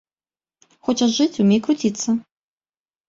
Хочаш жыць, умей круціцца.